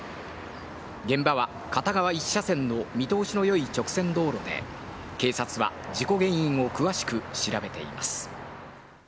現場は片側１車線の見通しのよい直線道路で、警察は事故原因を詳しく調べています。